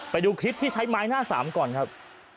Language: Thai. ไปดูคลิปที่ใช้ไม้หน้าสามก่อนครับ